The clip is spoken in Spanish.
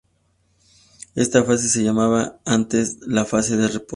Esta fase se llamaba antes la fase de reposo.